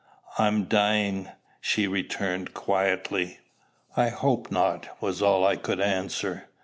"I'm dying," she returned quietly. "I hope not," was all I could answer.